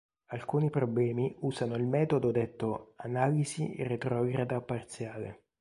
Alcuni problemi usano il metodo detto analisi retrograda parziale.